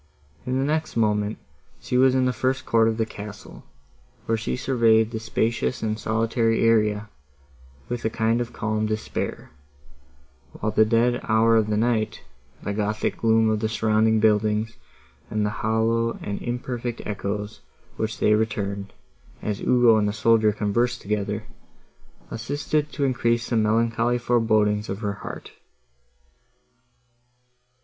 In the next moment, she was in the first court of the castle, where she surveyed the spacious and solitary area, with a kind of calm despair; while the dead hour of the night, the gothic gloom of the surrounding buildings, and the hollow and imperfect echoes, which they returned, as Ugo and the soldier conversed together, assisted to increase the melancholy forebodings of her heart.